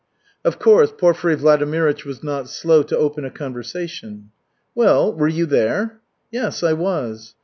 Of course, Porfiry Vladimirych was not slow to open a conversation. "Well, were you there?" "Yes, I was."